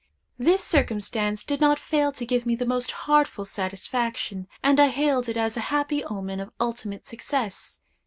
This circumstance did not fail to give me the most heartful satisfaction, and I hailed it as a happy omen of ultimate success.